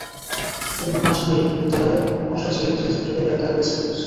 তিন আসামি একই বিদ্যালয়ের অষ্টম শ্রেণির তিন ছাত্রকে গ্রেপ্তার করেছে পুলিশ।